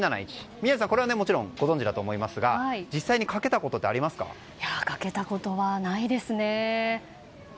宮司さんこれはご存じだと思いますが実際にかけたことってかけたことはないですね。